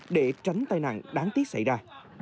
để tránh tai nạn đáng tiếc xảy ra